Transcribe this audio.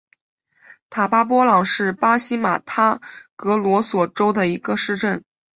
塔巴波朗是巴西马托格罗索州的一个市镇。